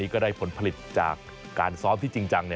ก็ได้ผลผลิตจากการซ้อมที่จริงจัง